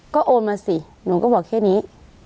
ก็โอนมาสิหนูก็บอกแค่นี้